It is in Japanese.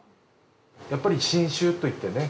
やっぱり侵襲といってね